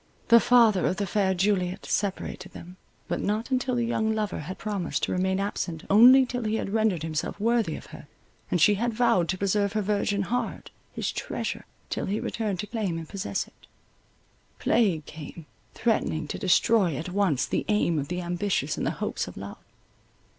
The father of the fair Juliet separated them; but not until the young lover had promised to remain absent only till he had rendered himself worthy of her, and she had vowed to preserve her virgin heart, his treasure, till he returned to claim and possess it. Plague came, threatening to destroy at once the aim of the ambitious and the hopes of love.